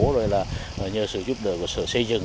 rồi là nhờ sự giúp đỡ của sở xây dựng